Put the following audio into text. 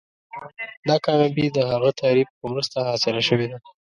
دا کامیابي د هغه تعریف په مرسته حاصله شوې ده.